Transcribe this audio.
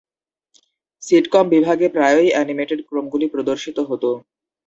Sitcom বিভাগে প্রায়ই animated ক্রমগুলি প্রদর্শিত হত।